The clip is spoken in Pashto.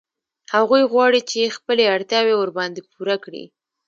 هغوی غواړي چې خپلې اړتیاوې ورباندې پوره کړي